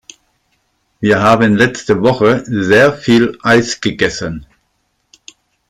Wir haben letzte Woche sehr viel Eis gegessen.